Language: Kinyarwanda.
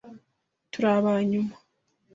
Turi aba nyuma.